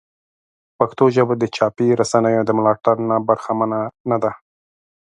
پښتو ژبه د چاپي رسنیو د ملاتړ نه برخمنه نه ده.